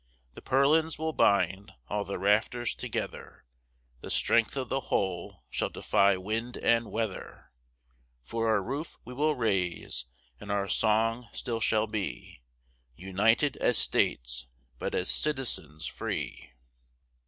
The purlins will bind all the rafters together: The strength of the whole shall defy wind and weather: For our roof we will raise, and our song still shall be, United as states, but as citizens free.